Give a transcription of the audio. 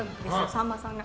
さんまさんが。